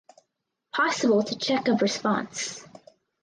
Possible to check of response.